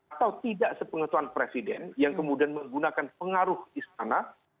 atau tidak sepengetahuan presiden yang kemudian menggunakan pengaruh istana